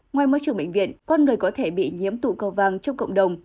ngoài môi trường bệnh viện con người có thể bị nhiễm tụ cầu vàng trong cộng đồng